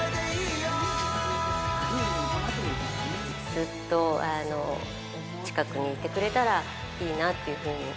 ずっと近くにいてくれたらいいなっていうふうに。